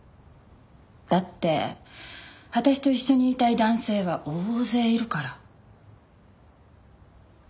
だって私と一緒にいたい男性は大勢いるから。